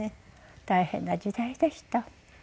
大変な時代でした。